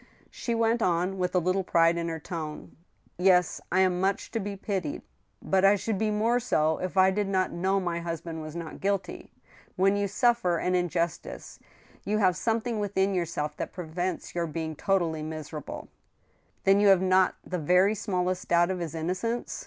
She went on, with a little pride in her tone :" Yes, I am much to be pitied. But I should be more so if I did not know my husband was not guilty. When you suffer an in justice, you have something within yourself that prevents your being totally miserable." 138 THE STEEL HAMMER, Then you have not the very smaUest doubt of his innocence